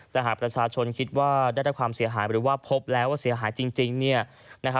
แต่หากประชาชนคิดว่าได้รับความเสียหายหรือว่าพบแล้วว่าเสียหายจริง